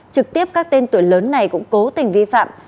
trực tiếp các tên tuổi lớn này cũng cố tình vi phạm